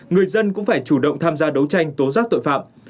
người dân cũng phải chủ động tham gia đấu tranh tố giác tội phạm